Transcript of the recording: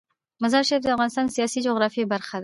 مزارشریف د افغانستان د سیاسي جغرافیه برخه ده.